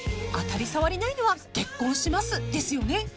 ［当たり障りないのは「結婚します」ですよね］